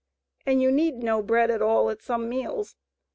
And you need no bread at all at some meals.